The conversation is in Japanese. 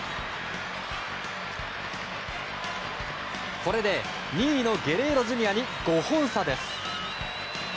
これで２位のゲレーロＪｒ．に５本差です。